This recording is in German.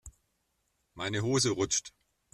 Meine Hose rutscht.